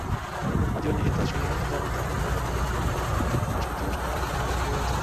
আজীবন নিষিদ্ধ শ্রীনির জামাতা, শিল্পার জামাইফলে বেশ কিছু প্রশ্ন এখনো ঘুরে বেড়াচ্ছে বাতাসে।